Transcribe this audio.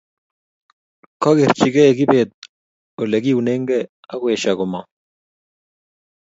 kokerchigei kibet ole kiunegei akoesho komong